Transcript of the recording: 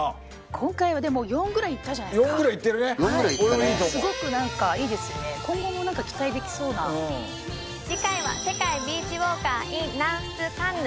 今回はでも４ぐらいいったんじゃないですか４ぐらいいってるねすごく何かいいですね今後も何か期待できそうな次回は世界ビーチウォーカーｉｎ